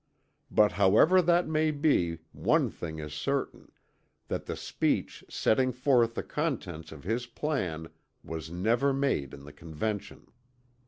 But however that may be one thing is certain, that the speech setting forth the contents of his plan was never made in the Convention.